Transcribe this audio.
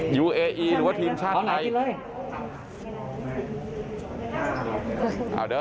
เหตุผลหรือว่าทีมชาติไหน